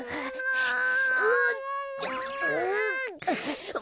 はあ。